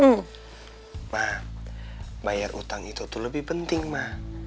ma bayar utang itu tuh lebih penting ma